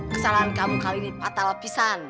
kesalahan kamu kali ini patah lapisan